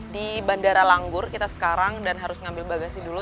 di bandara langgur kita sekarang dan harus ngambil bagasi dulu